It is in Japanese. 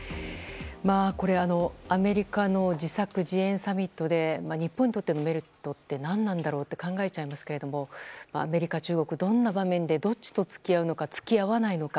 アメリカの自作自演サミットで日本にとってのメリットって何なんだろうって考えちゃいますけどアメリカ、中国、どんな場面でどっちと付き合うのか付き合わないのか。